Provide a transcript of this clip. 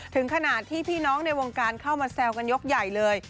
ถึงขนาดที่พี่น้องในวงการเข้ามาแซวกันยกใหญ่เลย